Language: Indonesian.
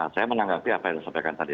saya menanggapi apa yang disampaikan tadi